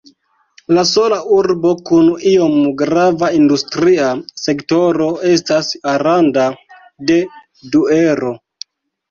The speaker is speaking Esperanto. La sola urbo kun iom grava industria sektoro estas Aranda de Duero.